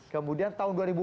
kemudian tahun dua ribu enam